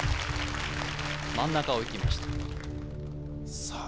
真ん中をいきましたさあ